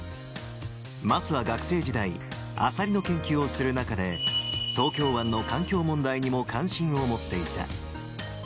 桝は学生時代、アサリの研究をする中で、東京湾の環境問題にも関心を持っていた。